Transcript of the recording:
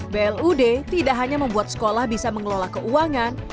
blud tidak hanya membuat sekolah bisa mengelola keuangan